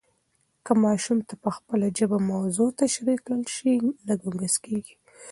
که ماشوم ته په خپله ژبه موضوع تشریح کړل سي، نه ګنګس کېږي.